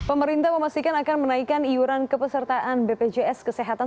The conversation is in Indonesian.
pemerintah memastikan akan menaikkan iuran kepesertaan bpjs kesehatan